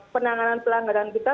penanganan pelanggaran kita